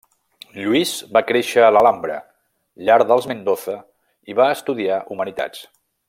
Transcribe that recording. Lluís va créixer a l'Alhambra, llar dels Mendoza, i va estudiar humanitats.